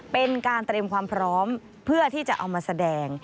เป็นการเตรียมความพร้อมเพื่อที่จะเอามาแสดง